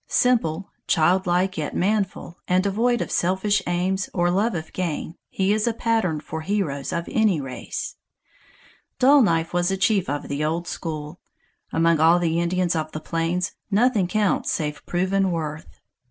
Simple, child like yet manful, and devoid of selfish aims, or love of gain, he is a pattern for heroes of any race. Dull Knife was a chief of the old school. Among all the Indians of the plains, nothing counts save proven worth.